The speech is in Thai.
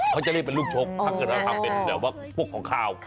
เขาจะเล่นเป็นลูกชกถ้าทำเป็นพวกของข้าว